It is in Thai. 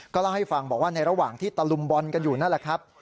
เล่าให้ฟังบอกว่าในระหว่างที่ตะลุมบอลกันอยู่นั่นแหละครับ